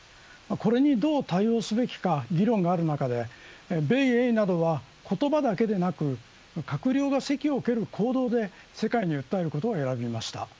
これにどう対応すべきか議論がある中で米英などは言葉だけでなく閣僚が席を蹴る行動で世界に訴えることを選びました。